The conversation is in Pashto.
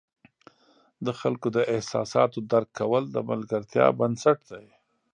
د خلکو د احساساتو درک کول د ملګرتیا بنسټ دی.